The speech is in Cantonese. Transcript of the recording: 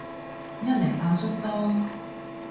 一嚟阿叔多